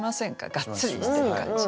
がっつりしてる感じね。